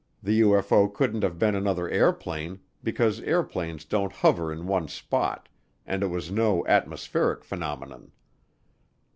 The UFO couldn't have been another airplane because airplanes don't hover in one spot and it was no atmospheric phenomenon.